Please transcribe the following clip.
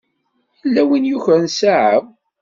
Yella win i yukren ssaɛa-w.